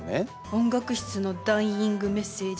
音楽室のダイイングメッセージ。